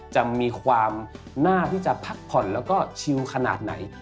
จะมีความน่าที่จะพักผ่อนแล้วก็ชิลขนาดไหน